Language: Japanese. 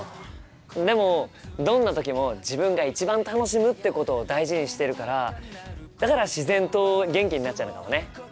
でもどんな時も自分が一番楽しむってことを大事にしてるからだから自然と元気になっちゃうのかもね。